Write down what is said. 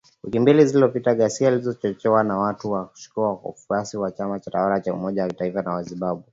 Wiki mbili zilizopita, ghasia zilizochochewa na watu wanaoshukiwa kuwa wafuasi wa chama tawala cha umoja wa kitaifa wa Zimbabwe.